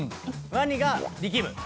ワニが力む。